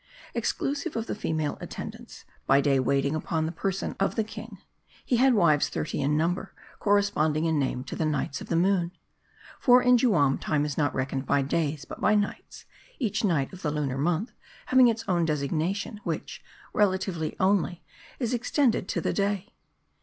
Exclusive of the female attendants, by day waiting upon the person of the king, he had wives thirty in number, correspond ing in name to the nights of the moon. For, in Juam, time is not reckoned by days, but by nights; each night :of the lunar month having its own designation ; which, relatively only, is extended to the day.